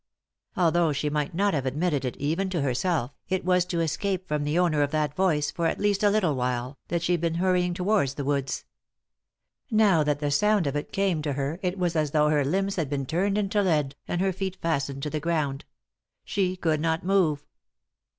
Although she might not have admitted it even to herself, it was to escape from the owner of that voice, for at least a little while, that she had been hurrying towards the wood. Now that the sound of it came to her it was as though her limbs had been turned into lead, and her feet fastened to the ground ; she could not move.